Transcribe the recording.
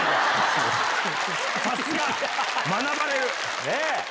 さすが！学ばれる。